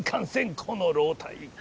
この老体。